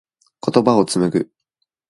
言葉を紡ぐ。